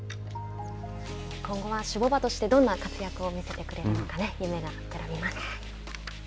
今後は種ぼ馬としてどんな活躍を見せてくれるのか夢が膨らみます。